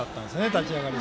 立ち上がり。